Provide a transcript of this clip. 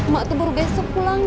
mak tuh baru besok pulang